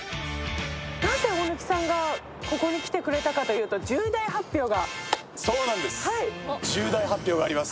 なぜ大貫さんがここに来てくれたかというと重大発表が。